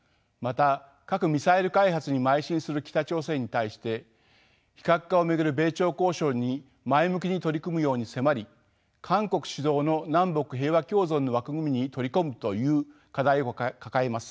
また核ミサイル開発にまい進する北朝鮮に対して非核化を巡る米朝交渉に前向きに取り組むように迫り韓国主導の南北平和共存の枠組みに取り込むという課題を抱えます。